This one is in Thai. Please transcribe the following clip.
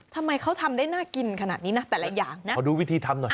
ทำไมเขาทำได้น่ากินขนาดนี้นะแต่ละอย่างนะขอดูวิธีทำหน่อย